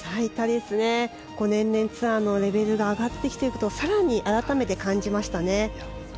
年々ツアーのレベルが上がってきていることを改めて感じましたね。